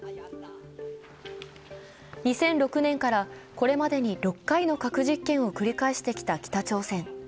２００６年からこれまでに６回の核実験を繰り返してきた北朝鮮。